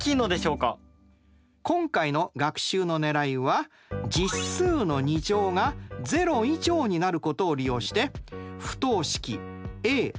今回の学習のねらいは実数の２乗が０以上になることを利用して不等式Ａ≧Ｂ。